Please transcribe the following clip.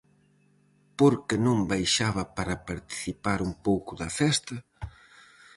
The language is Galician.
Por que non baixaba para participar un pouco da festa?